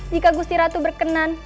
jika gusti ratu berkenan